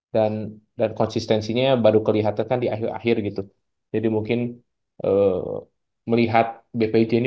dan dan konsistensinya baru kelihatan kan di akhir akhir gitu jadi mungkin melihat bpj ini